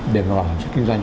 để mà làm cho kinh doanh